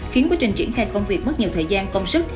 khiến quá trình triển khai công việc mất nhiều thời gian công sức